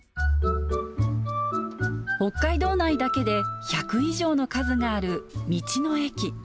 北海道内だけで１００以上の数がある道の駅。